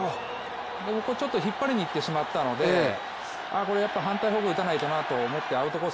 ちょっと引っ張りにいってしまったので、やっぱり反対方向に打たないとなと思ってアウトコース